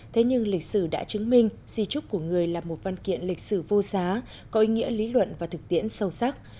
thế nhưng lịch sử đã chứng minh di trúc của người là một văn kiện lịch sử vô giá có ý nghĩa lý luận và thực tiễn sâu sắc